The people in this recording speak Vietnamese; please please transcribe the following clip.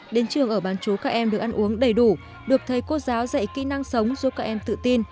đến trường ở bán chú các em được ăn uống đầy đủ được thầy cô giáo dạy kỹ năng sống giúp các em tự tin